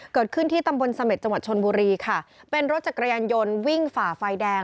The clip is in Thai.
เกิดขึ้นที่ตำบลเสม็จจังหวัดชนบุรีค่ะเป็นรถจักรยานยนต์วิ่งฝ่าไฟแดง